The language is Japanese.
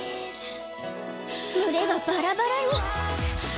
群れがバラバラに！